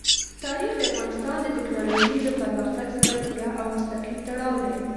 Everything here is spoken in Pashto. تاریخ د افغانستان د تکنالوژۍ له پرمختګ سره پوره او مستقیم تړاو لري.